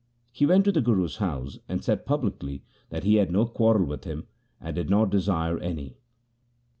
He went to the Guru's house, and said publicly that he had no quarrel with him, and did not desire any.